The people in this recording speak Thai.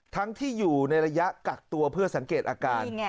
ทั้งที่อยู่ในระยะกักตัวเพื่อสังเกตอาการ